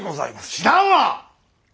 知らんわ！